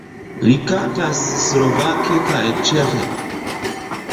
Li kantas slovake kaj ĉeĥe.